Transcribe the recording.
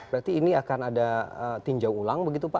berarti ini akan ada tinjau ulang begitu pak